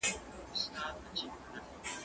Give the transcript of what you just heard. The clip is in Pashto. زه کولای سم امادګي ونيسم،